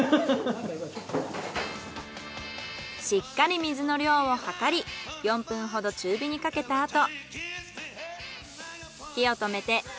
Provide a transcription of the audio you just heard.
しっかり水の量をはかり４分ほど中火にかけたあと。